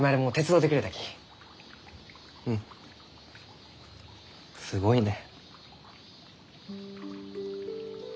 うんすごいね。